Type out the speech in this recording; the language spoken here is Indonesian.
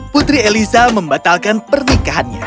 putri eliza membatalkan pernikahannya